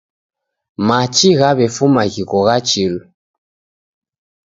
Machi ghaw'efuma ghiko gha chilu